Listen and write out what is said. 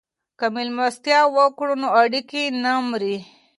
که مېلمستیا وکړو نو اړیکې نه مري.